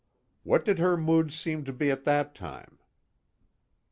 "What did her mood seem to be at that time?"